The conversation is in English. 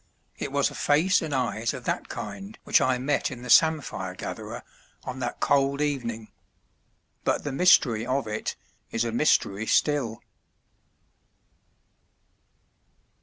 It was a face and eyes of that kind which I met in the samphire gatherer on that cold evening; but the mystery of it is a mystery still.